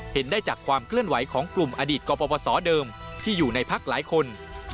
เห็นได้จากความเคลื่อนไหวของกลุ่มอดีตกรปศเดิมที่อยู่ในพักหลายคน